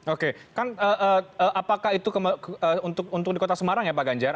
oke kan apakah itu untuk di kota semarang ya pak ganjar